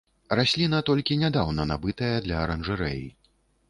Расліна толькі нядаўна набытая для аранжарэі.